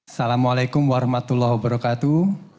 assalamualaikum warahmatullahi wabarakatuh